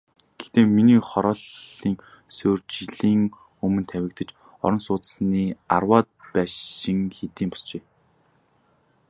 Гэхдээ шинэ хорооллын суурь жилийн өмнө тавигдаж, орон сууцны арваад байшин хэдийн босжээ.